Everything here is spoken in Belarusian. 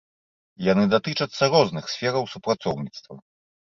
Яны датычацца розных сфераў супрацоўніцтва.